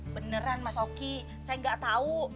beneran mas oki saya gak tau